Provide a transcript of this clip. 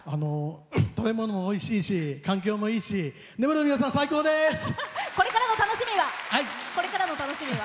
食べ物もおいしいし環境もいいしこれからの楽しみは？